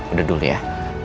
udah dulu ya